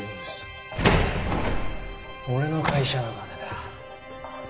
俺の会社の金だ。